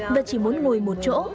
và chỉ muốn ngồi một chỗ